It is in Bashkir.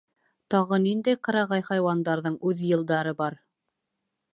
Тағы ниндәй ҡырағай хайуандарҙың үҙ йылдары бар?